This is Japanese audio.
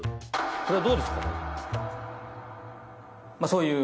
これどうですか？